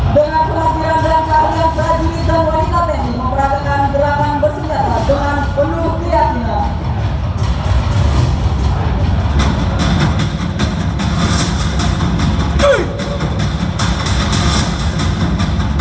dengan perhatian dan karya baju di tank berlintas ini memperhatikan gerakan bersenjata dengan penuh keyakinan